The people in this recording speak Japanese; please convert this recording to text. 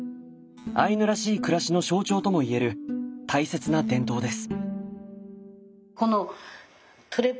アイヌらしい暮らしの象徴ともいえる大切な伝統です。